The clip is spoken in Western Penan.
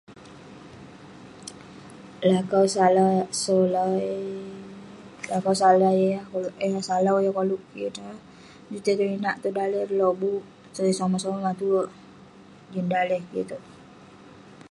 lakau solai yah koluk kik ineh juk tong inak tong daleh ireh lobuk tai somah somah tuwerk jin daleh kik itouk